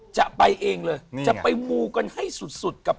จะไปหมูกันให้สุดกับ